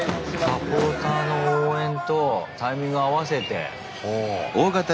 サポーターの応援とタイミング合わせて。